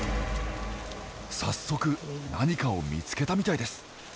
早速何かを見つけたみたいです！